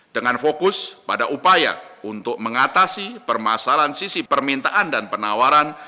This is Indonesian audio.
dengan fokus pada upaya untuk mengatasi permasalahan sisi permintaan dan penawaran